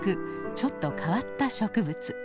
ちょっと変わった植物。